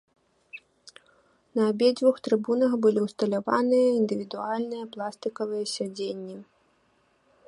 На абедзвюх трыбунах былі ўсталяваныя індывідуальныя пластыкавыя сядзенні.